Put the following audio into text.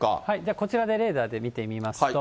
こちらでレーダーで見てみますと。